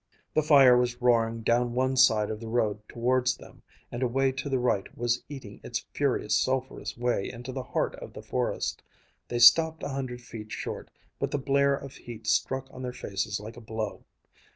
The fire was roaring down one side of the road towards them, and away to the right was eating its furious, sulphurous way into the heart of the forest. They stopped a hundred feet short, but the blare of heat struck on their faces like a blow.